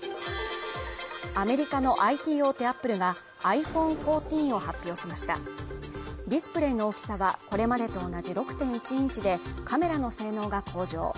アメリカのＩＴ大手アップルがｉＰｈｏｎｅ１４を発表しましたディスプレイの大きさはこれまでと同じ６．１インチでカメラの性能が向上